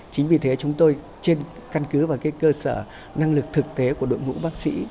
chính vì thế chúng tôi trên căn cứ và cơ sở năng lực thực tế của đội ngũ bác sĩ